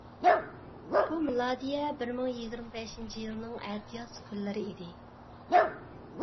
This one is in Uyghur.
بۇ مىلادىيە بىر مىڭ يىگىرمە بەشىنچى يىلنىڭ ئەتىياز كۈنلىرى ئىدى.